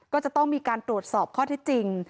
ก็จะต้องมีการตรวจสอบข้อเท็จจริง